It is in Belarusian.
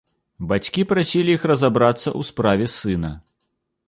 Бацькі прасілі іх разабрацца ў справе сына.